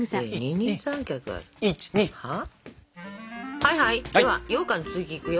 はいはいではようかんの続きいくよ。